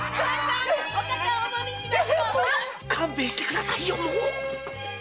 勘弁してくださいよもう！